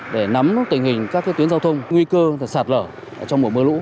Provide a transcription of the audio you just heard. để nắm tình hình các tuyến giao thông nguy cơ sạt lở trong mùa mưa lũ